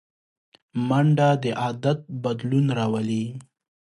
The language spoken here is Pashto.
منډه د عادت بدلون راولي